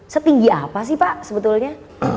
setinggi apa sih pak sebetulnya